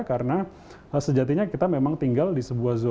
karena sejatinya kita memang tinggal di sebuah zona